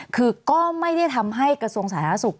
คือก็ไม่ได้ทำให้กระทรวงสาธารณสุข